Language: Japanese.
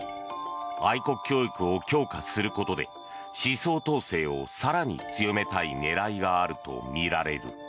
愛国教育を強化することで思想統制を更に強めたい狙いがあるとみられる。